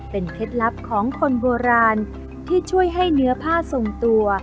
เป็นเคล็ดลับของคนโบราณที่ช่วยให้เนื้อผ้าทรงตัว